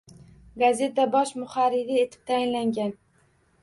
Gazeta bosh muharriri etib tayinlangan.